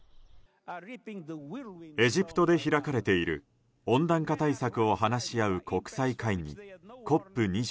エジプトで開かれている温暖化対策を話し合う国際会議ＣＯＰ２７。